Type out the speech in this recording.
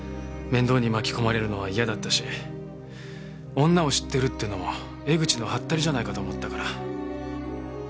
面倒に巻き込まれるのは嫌だったし女を知ってるってのも江口のハッタリじゃないかと思ったから。